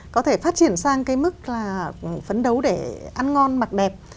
có thể phát triển sang cái mức là phấn đấu để ăn ngon mặc đẹp